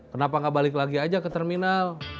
kenapa nggak balik lagi aja ke terminal